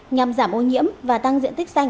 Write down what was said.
nhằm giảm ô nhiễm và tăng diện tích xanh